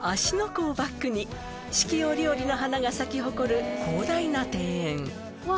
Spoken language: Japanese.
湖をバックに四季折々の花が咲き誇る広大な庭園うわ！